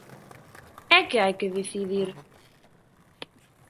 ¿E que hai que decidir?